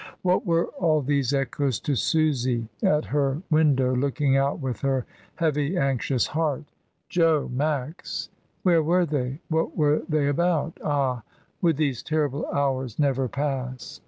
What were all these echoes to Susy at her window, looking out with her heavy anxious heart? Jo I Max! where were they? what were they about? Ah! would these terrible hours never pass?